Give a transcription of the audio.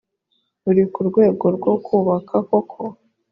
uri ku rwego rwo kubaka koko